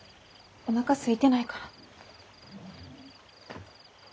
おなかすいてないから。